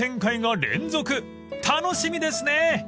［楽しみですね！］